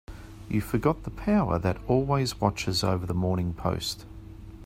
You forget the power that always watches over the Morning Post.